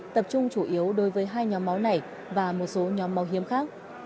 tập trung chủ yếu đối với hai nhóm máu này và một số nhóm máu hiếm khác